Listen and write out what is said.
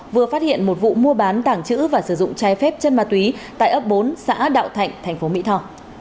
vừa phát hiện một vụ mua bán tảng chữ và sử dụng trái phép chân ma túy tại ấp bốn xã đạo thạnh thành phố mỹ tho